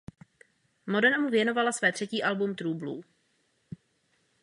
Madonna mu věnovala své třetí album "True Blue".